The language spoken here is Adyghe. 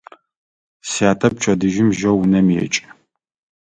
Сятэ пчэдыжьым жьэу унэм екӏы.